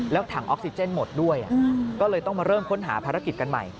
ถังออกซิเจนหมดด้วยก็เลยต้องมาเริ่มค้นหาภารกิจกันใหม่